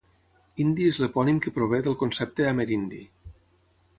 Indi és l'epònim que prové del concepte Amerindi.